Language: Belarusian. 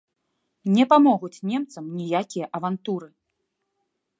Не памогуць немцам ніякія авантуры!